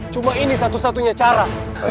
cuma ini satu satunya cara